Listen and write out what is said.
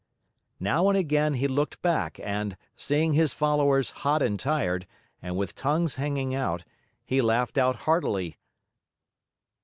Now and again, he looked back and, seeing his followers hot and tired, and with tongues hanging out, he laughed out heartily.